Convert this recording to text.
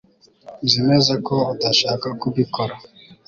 nzi neza ko udashaka kubikora